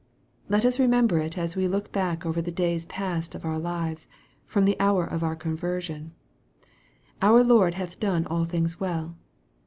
Let us remember it as we look back over the days past of our lives, from the hour of our conversion. " Our Lord hath done all things well."